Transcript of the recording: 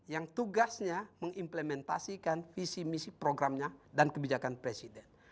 yang tugasnya mengimplementasikan visi misi programnya dan kebijakan presiden